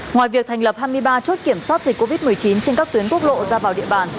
ngoài việc thành lập hai mươi ba chốt kiểm soát dịch covid một mươi chín trên các tuyến quốc lộ ra vào địa bàn